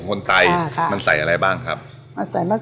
หรือนิจะรับที่ห้อตัว